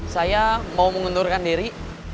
saya mau mengundurkan diri